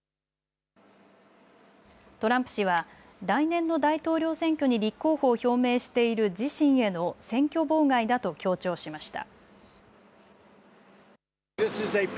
トランプ氏は来年の大統領選挙に立候補を表明している自身への選挙妨害だと強調しました。